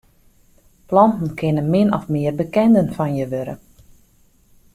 Planten kinne min of mear bekenden fan je wurde.